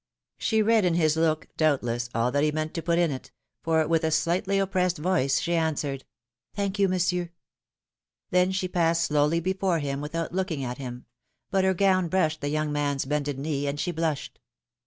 She read in his look, doubtless, all that he meant to put in it ; for, with a slightly oppressed voice, she answered : Thank you, Monsieur.^^ Then she passed slowly before him without looking at him ; but her gown brushed the young man^s bended knee, and she blushed.